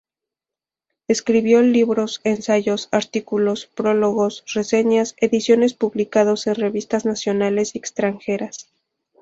Escribió libros, ensayos, artículos, prólogos, reseñas, ediciones publicados en revistas nacionales y extranjeras.